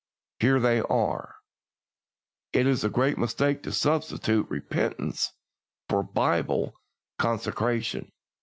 Here they are: "It is a great mistake to substitute repentance for Bible consecration.